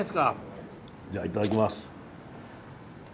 じゃあいただきます！